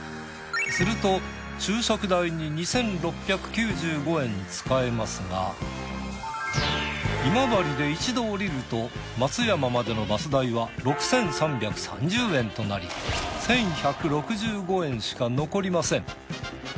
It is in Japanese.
すると昼食代に２，６９５円使えますが今治で一度降りると松山までのバス代は６，３３０円となり１，１６５円しか残りません。